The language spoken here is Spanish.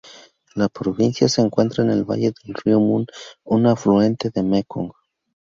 La provincia se encuentra en el valle del río Mun, un afluente del Mekong.